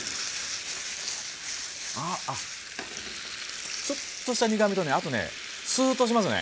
ああっちょっとした苦みとねあとねスーッとしますね。